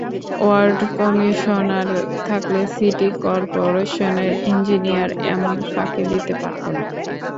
Word commissioner থাকলে city করপোরেশনের engineer এমন ফাঁকি দিতে পারত না।